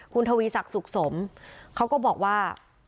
คุณทวีศักดิ์สุขสมเขาก็บอกว่า